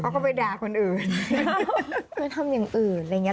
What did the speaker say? เขาก็ไปด่าคนอื่นไปทำอย่างอื่นอะไรอย่างเงี้